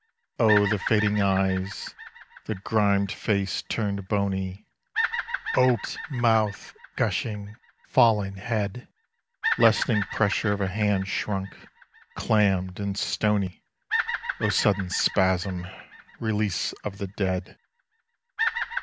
O the fading eyes, the grimed face turned bony, Oped mouth gushing, fallen head, Lessening pressure of a hand shrunk, clammed, and stony! O sudden spasm, release of the dead!